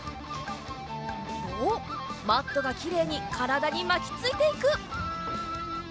おっマットがきれいにからだにまきついていく。